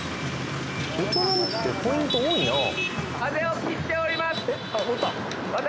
ベトナムってポイント多いなさあ